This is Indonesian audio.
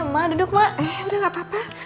ya udah deh